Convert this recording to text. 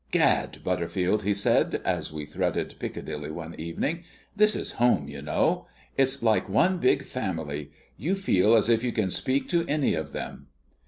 "Gad, Butterfield," he said, as we threaded Piccadilly one evening, "this is home, you know! It's like one big family you feel as if you can speak to any of them!"